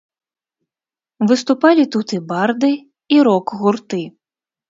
Выступалі тут і барды, і рок-гурты.